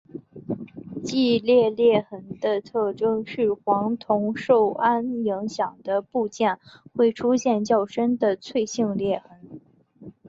季裂裂痕的特征是黄铜受氨影响的部件会出现较深的脆性裂痕。